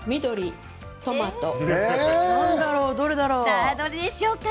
さあ、どれでしょうか？